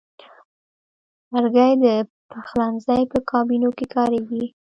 لرګی د پخلنځي په کابینو کې کاریږي.